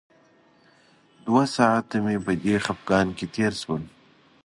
د دوه ساعته مې په دې خپګان کې تېر شول.